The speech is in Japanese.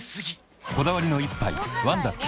こだわりの一杯「ワンダ極」